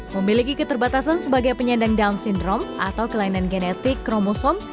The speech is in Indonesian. memiliki keterbatasan sebagai penyandang down syndrome atau kelainan genetik kromosom